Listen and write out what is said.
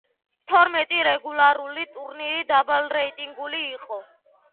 თორმეტი რეგულარული ტურნირი დაბალრეიტინგული იყო.